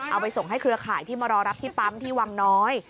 เอาไปส่งให้เครือข่ายที่มารอรับที่ปั๊มที่วังน้อย